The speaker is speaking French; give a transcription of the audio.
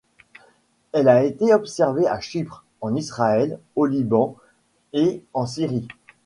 Elle a été observée à Chypre, en Israël, au Liban et en Syrie.